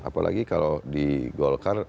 apalagi kalau di golkar